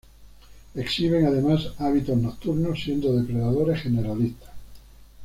Exhiben, además, hábitos nocturnos, siendo depredadores generalistas.